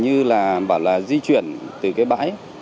như là bảo là di chuyển từ cái bãi